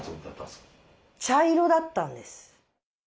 茶色だったんです。